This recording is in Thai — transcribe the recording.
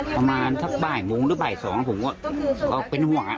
ประมาณถ้าบ้ายมูนหรือบ้ายสองผมก็เป็นห่วง